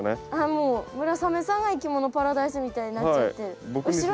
もう村雨さんがいきものパラダイスみたいになっちゃってる。